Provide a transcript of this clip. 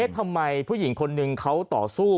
ทำไมผู้หญิงคนนึงเขาต่อสู้